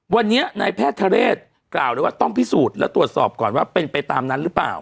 วันนี้นายแพทย์ทะเรศกล่าวเลยว่าต้องพิสูจน์และตรวจสอบก่อนว่าเป็นไปตามนั้นหรือเปล่า